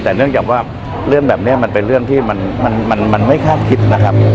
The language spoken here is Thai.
แต่เนื่องจากว่าเรื่องแบบนี้มันเป็นเรื่องที่มันไม่คาดคิดนะครับ